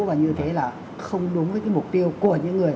và như thế là không đúng với cái mục tiêu của những người